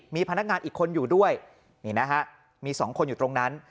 มีพนักงานอีกคนอยู่ด้วยนี่นะฮะมีสองคนอยู่ตรงนั้น